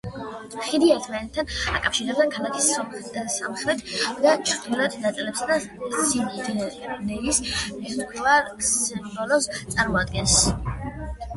ხიდი ერთმანეთთან აკავშირებს ქალაქის სამხრეთ და ჩრდილოეთ ნაწილებსა და სიდნეის ერთგვარ სიმბოლოს წარმოადგენს.